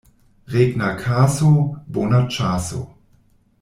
Regna kaso — bona ĉaso.